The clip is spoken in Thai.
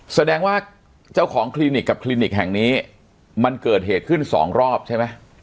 แสดงว่าเจ้าของคลินิกกับคลินิกแห่งนี้มันเกิดเหตุขึ้นสองรอบใช่ไหม